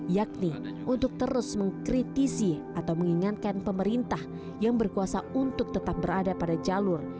yakni untuk terus mengkritisi atau mengingatkan pemerintah yang berkuasa untuk tetap berada pada jalur